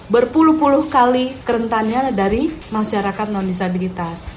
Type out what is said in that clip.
berpuluh puluh kali kerentanya dari masyarakat non disabilitas